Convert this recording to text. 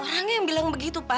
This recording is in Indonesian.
orangnya yang bilang begitu pak